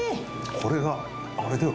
これがあれだよ